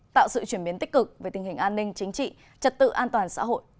tạo sự chuyển biến tích cực về tình hình an ninh chính trị trật tự an toàn xã hội